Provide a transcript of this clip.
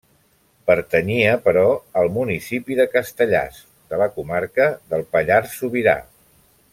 Pertanyia, però, al municipi de Castellàs, de la comarca del Pallars Sobirà.